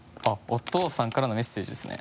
お父さんからのメッセージですね。